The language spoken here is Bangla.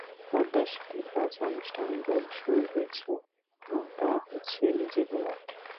পদ্মা সেতুর কাজ আনুষ্ঠানিকভাবে শুরু হয়েছে, এবং তাও হচ্ছে নিজেদের অর্থে।